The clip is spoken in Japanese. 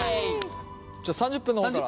じゃあ３０分の方から。